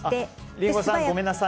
リンゴさん、ごめんなさい。